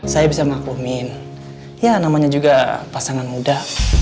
saya bisa maklumin ya namanya juga pasangan muda